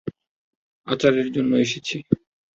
আচারের জন্য এসেছি।